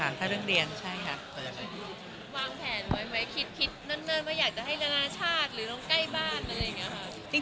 วางแผนไว้คิดอยากให้รายนานชาติรุ่งใกล้บ้านอะไรอย่างนี้ว่ะ